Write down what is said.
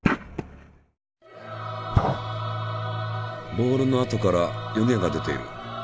ボールのあとから湯気が出ている。